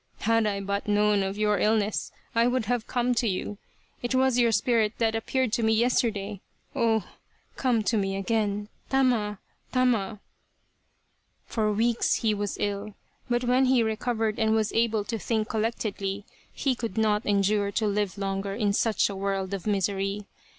" Had I but known of your illness I would have come to you. It was your spirit that appeared to me yesterday. Oh ! come to me again ! Tama ! Tama !" For weeks he was ill, but when he recovered and was able to think collectedly, he could not endure to live longer in such a world of misery.